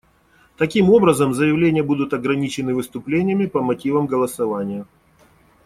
Таким образом, заявления будут ограничены выступлениями по мотивам голосования.